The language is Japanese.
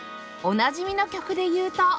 おなじみの曲でいうと